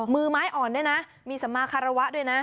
มือไม้อ่อนด้วยนะมีสมาคารวะด้วยนะ